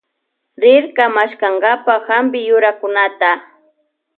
Rirka maskankapa hampi yurakunata.